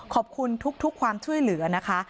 ขอบคุณทุกความช่วยเหลือนะคะ